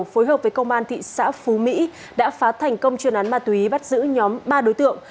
phối hợp với công an thị xã phú mỹ đã phá thành công chuyên án ma túy bắt giữ nhóm ba đối tượng